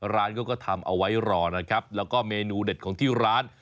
ร้านเขาก็ทำเอาไว้รอนะครับแล้วก็เมนูเด็ดของที่ร้าน